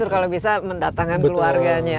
kalau bisa mendatangkan keluarganya